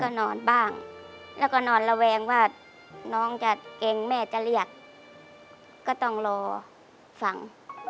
ก็นอนบ้างแล้วก็นอนระแวงว่าน้องจะเก่งแม่จะเรียกก็ต้องรอฟัง